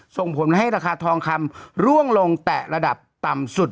ส่งผลให้ราคาทองคำร่วงลงแตะระดับต่ำสุด